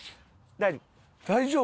大丈夫。